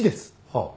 はあ。